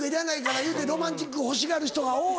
言うてロマンチック欲しがる人が多い。